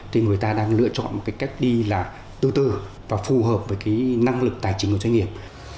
thì người ta đang lựa chọn một cái cách đi là từ từ và phù hợp với cái năng lực tài chính của doanh nghiệp